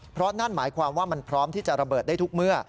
เพราะนั่นหมายความว่ามันพร้อมที่จะระเบิดได้ทุกเมื่อ